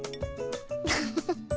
フフフ。